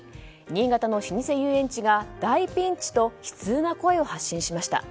新潟の老舗遊園地が大ピンチと悲痛な声を発信しました。